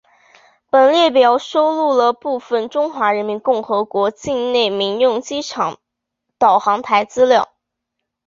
本列表收录了部分中华人民共和国境内民用机场导航台资料。